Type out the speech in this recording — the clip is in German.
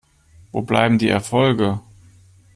Wo bleiben die Erfolge?